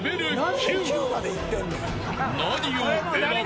９何を選ぶ。